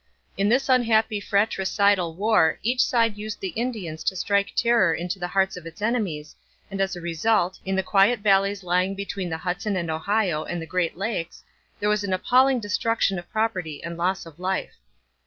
In this unhappy fratricidal war each side used the Indians to strike terror into the hearts of its enemies, and as a result, in the quiet valleys lying between the Hudson and Ohio and the Great Lakes, there was an appalling destruction of property and loss of life.